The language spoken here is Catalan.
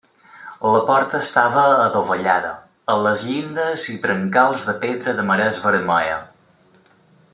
La porta estava adovellada, amb les llindes i brancals de pedra de marès vermella.